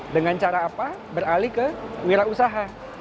dengan cara apa beralih ke wirausaha